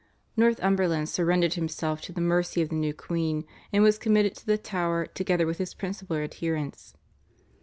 Northumberland surrendered himself to the mercy of the new queen, and was committed to the Tower together with his principal adherents.